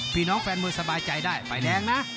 พี่น้องแฟนมือสบายใจได้ไฟแดงนะ